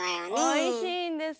おいしいんです。